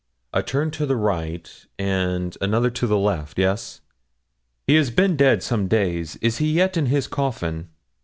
A turn to the right and another to the left yes. He has been dead some days. Is he yet in his coffin?'